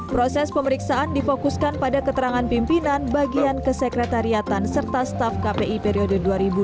proses pemeriksaan difokuskan pada keterangan pimpinan bagian kesekretariatan serta staff kpi periode dua ribu dua belas dua ribu sembilan belas